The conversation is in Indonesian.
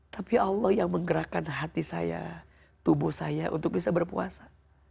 tapi allah yang menggerakkan hati saya tubuh saya untuk bisa berpuasa